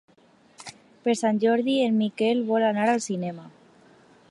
Per Sant Jordi en Miquel vol anar al cinema.